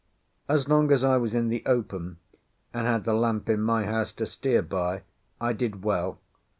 As long as I was in the open, and had the lamp in my house to steer by, I did well.